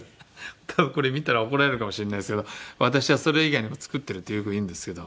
多分これ見たら怒られるかもしれないですけど私はそれ以外にも作ってるってよく言うんですけど。